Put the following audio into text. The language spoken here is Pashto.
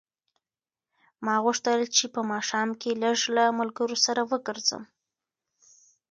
ما غوښتل چې په ماښام کې لږ له ملګرو سره وګرځم.